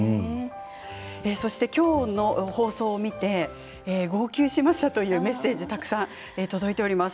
そして今日の放送を見て「号泣しました」というメッセージたくさん届いております。